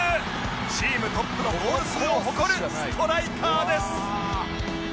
チームトップのゴール数を誇るストライカーです